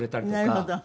なるほど。